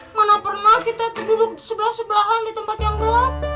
eh mana pernah kita duduk sebelah sebelahan di tempat yang gelap